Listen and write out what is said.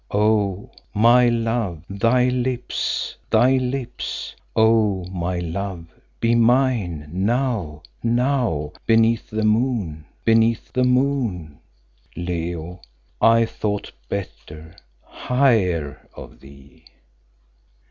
'Oh! my love, thy lips, thy lips. Oh! my love, be mine, now, now, beneath the moon, beneath the moon!' "Leo, I thought better, higher, of thee."